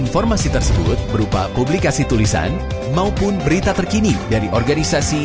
informasi tersebut berupa publikasi tulisan maupun berita terkini dari organisasi